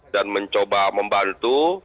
dan mencoba membantu